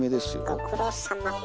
ご苦労さま。